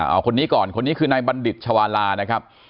เอาคนนี้ก่อนคนนี้คือนายบัณฑิตชาวาลานะครับ